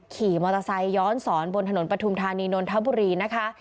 ขี่มอเตอร์ไซค์ย้อนสอนบนถนนปฐุมธานีนนทบุรีนะคะ